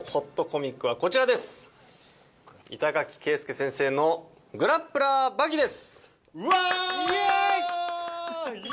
板垣恵介先生の『グラップラー刃牙』です！